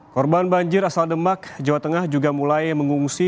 korban banjir asal demak jawa tengah juga mulai mengungsi